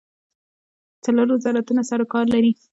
څلور وزارتونه سروکار لري.